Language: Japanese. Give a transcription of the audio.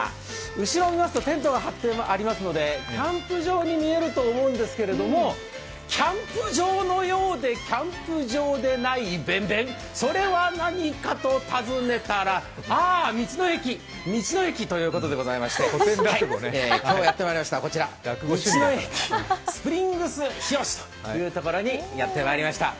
後ろを見ますとテントが張ってありますのでキャンプ場に見えると思うんですけど、キャンプ場のようでキャンプ場でない、ベンベンそれは何かと尋ねたらあー道の駅、道の駅ということでございましてやってまいりました、こちら、道の駅スプリングスひよしというところへやってまいりました。